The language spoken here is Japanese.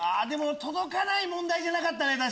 でも届かない問題じゃなかったね